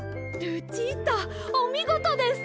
ルチータおみごとです。